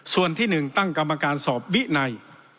ส่วนที่๑ตั้งกรรมการสอบวินัย